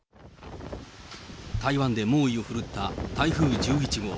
台湾で猛威を振るった台風１１号。